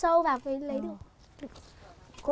cô đào nha được không